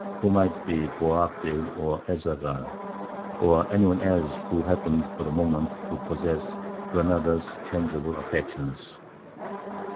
who might be Boabdil or Ez Zaghal, or any one else who happened for the moment to possess Granada's changeable affections.